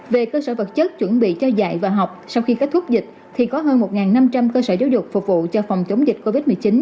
về cơ sở vật chất chuẩn bị cho dạy và học sau khi kết thúc dịch thì có hơn một năm trăm linh cơ sở giáo dục phục vụ cho phòng chống dịch covid một mươi chín